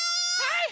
はい！